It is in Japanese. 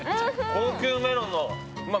高級メロンのまあ